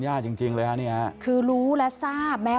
ย่าจริงเลยฮะนี้ครับคือรู้และทราบไม่